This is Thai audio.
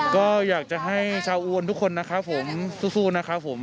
ก็อยากจะให้ชาวอวนทุกคนนะครับผมสู้นะครับผม